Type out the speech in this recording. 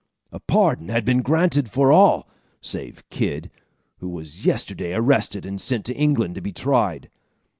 A pardon had been granted for all, save Kidd, who was yesterday arrested and sent to England to be tried.